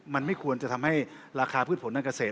มันไม่ควรจะทำให้ราคาพืชผลทางเกษตร